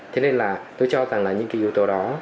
thế nên tôi cho rằng những yếu tố đó